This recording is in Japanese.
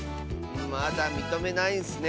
まだみとめないんッスね。